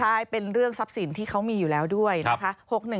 ใช่เป็นเรื่องทรัพย์สินที่เขามีอยู่แล้วด้วยนะคะ